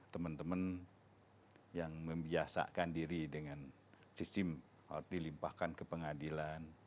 teman teman yang membiasakan diri dengan sistem harus dilimpahkan ke pengadilan